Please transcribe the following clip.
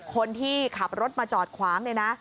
คนที่ขับรถมาจอดคว้างด้วยนะ